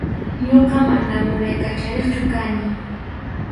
Ñuqa mana mulay kachariqchu kani.